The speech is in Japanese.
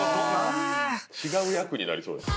違う役になりそうです。